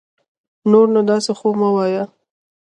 نور نو داسي خو مه وايه